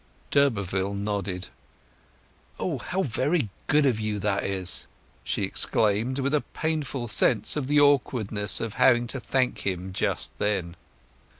D'Urberville nodded. "O how very good of you that is!" she exclaimed, with a painful sense of the awkwardness of having to thank him just then.